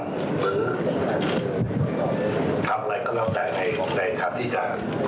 ทำอะไรก็แล้วแต่ในคาดที่จะ